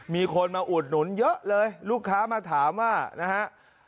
มีคนมาอุดหนุนเยอะเลยลูกค้ามาถามว่านะฮะ